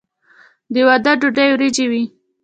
د واده ډوډۍ وریجې وي.